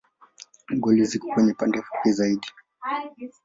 Goli ziko kwenye pande fupi zaidi.